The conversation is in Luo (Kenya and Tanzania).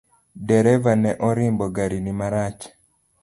Dereva ne orimbo gari ni marach .